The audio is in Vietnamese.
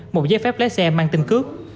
một giấy phép lái xe mang tình cước